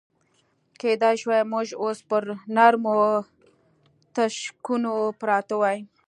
کېدای شوای موږ اوس پر نرمو تشکونو پراته وای.